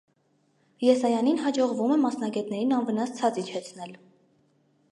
Եսայանին հաջողվում է մասնագետներին անվնաս ցած իջեցնել։